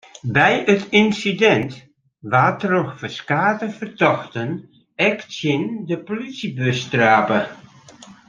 By it ynsidint waard troch ferskate fertochten ek tsjin de polysjebus trape.